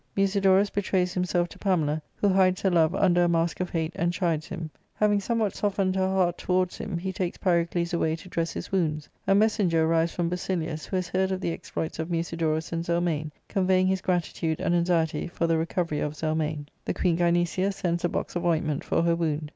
Musidorus betrays himself to Pamela, who hides her love under a mask of hate and chides him. Having somewhat softened her heart towards him, he takes Pyrocles away to dress his wounds. A messenger arrives from Basilius, who has heard of the exploits of Musidorus and Zelmane, convey ing his gratitude and anxiety for the recovery of Zelmane. The queen Gynecia sends a box of ointment for her wound.